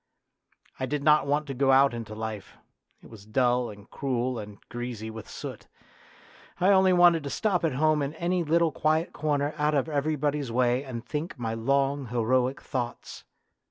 I did not want to go out into life; it was dull and cruel and greasy with soot. I 30 A DRAMA OF YOUTH only wanted to stop at home in any little quiet corner out of everybody's way and think my long, heroic thoughts.